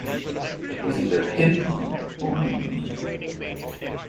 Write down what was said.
It was either him or me.